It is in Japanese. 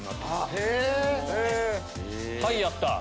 はいやった！